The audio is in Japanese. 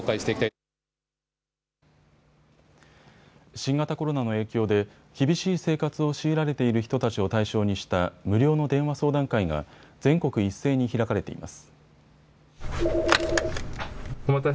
新型コロナの影響で厳しい生活を強いられている人たちを対象にした無料の電話相談会が全国一斉に開かれています。